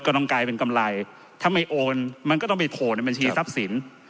ต้องกลายเป็นกำไรถ้าไม่โอนมันก็ต้องไปโผล่ในบัญชีทรัพย์สิน